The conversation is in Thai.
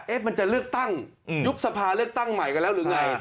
มันจะเลือกตั้งยุบสภาเลือกตั้งใหม่กันแล้วหรือไง